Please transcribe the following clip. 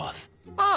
ああ！